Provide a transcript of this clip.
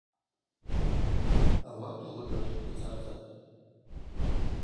Ауат алыгажв дыцӏарцӏатӏ.